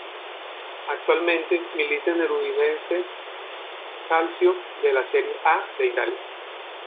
Actualmente milita en el Udinese Calcio de la Serie A de Italia.